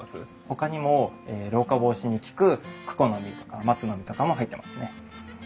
ほかにも老化防止に効くクコの実とか松の実とかも入ってますね。